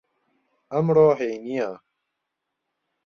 ئەمڕۆ هەینییە.